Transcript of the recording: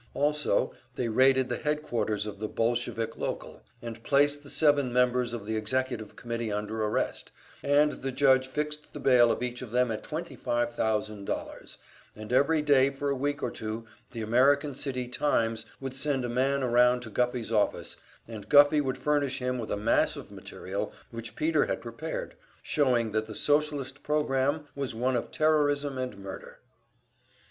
Also they raided the headquarters of the "Bolshevik local," and placed the seven members of the executive committee under arrest, and the judge fixed the bail of each of them at twenty five thousand dollars, and every day for a week or two the American City "Times" would send a man around to Guffey's office, and Guffey would furnish him with a mass of material which Peter had prepared, showing that the Socialist program was one of terrorism and murder.